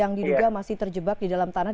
yang diduga masih terjebak di dalam tanah